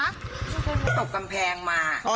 ตกกำแพงมา